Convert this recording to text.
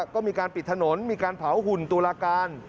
ก็มีการปิดถนนมีการเผาหุ่นตุลาการ